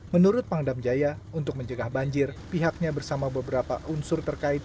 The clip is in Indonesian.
menurut pangdam jaya untuk menjaga banjir pihaknya bersama beberapa unsur terkait